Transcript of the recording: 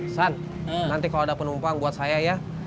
pesan nanti kalau ada penumpang buat saya ya